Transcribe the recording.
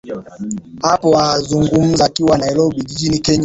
hapo azungumza akiwa nairobi jijini kenya